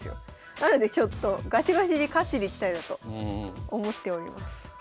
なのでちょっとガチガチに勝ちにいきたいなと思っております。